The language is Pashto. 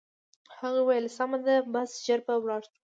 هغې وویل: سمه ده، بس ژر به ولاړ شو.